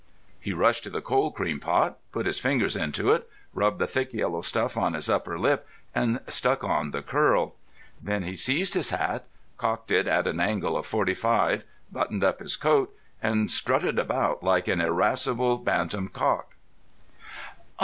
He rushed to the cold cream pot, put his fingers into it, rubbed the thick yellow stuff on his upper lip, and stuck on the curl. Then he seized his hat, cocked it on at an angle of forty five, buttoned up his coat, and strutted about like an irascible bantam cock.